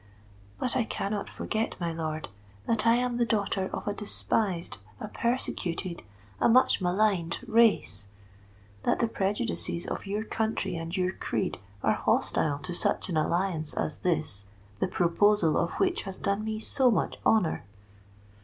But I cannot forget, my lord, that I am the daughter of a despised—a persecuted—a much maligned race,—that the prejudices of your country and your creed are hostile to such an alliance as this, the proposal of which has done me so much honour."